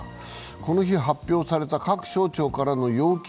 この日発表された各省庁からの要求